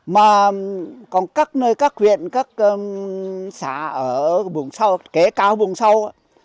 mà còn các nơi các huyện các xã ở vùng sau kế cao vùng sau